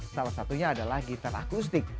salah satunya adalah gitar akustik